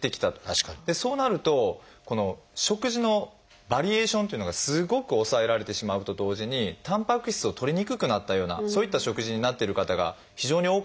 そうなるとこの食事のバリエーションというのがすごく抑えられてしまうと同時にたんぱく質をとりにくくなったようなそういった食事になってる方が非常に多かったんですね。